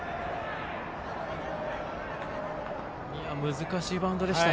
難しいバウンドでした。